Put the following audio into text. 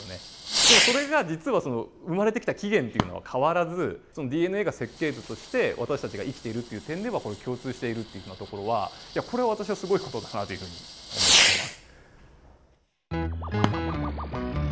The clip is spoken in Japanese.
でもそれが実は生まれてきた起源っていうのは変わらずＤＮＡが設計図として私たちが生きているっていう点では共通しているっていうふうなところはこれは私はすごい事だなというふうに思ってます。